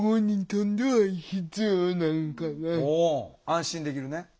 安心できるね。